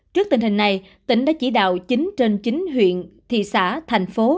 trước tình hình này tỉnh đã chỉ đạo chín trên chín huyện thị xã thành phố